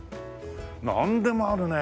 なんでもあるねえ。